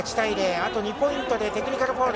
あと２ポイントでテクニカルフォール。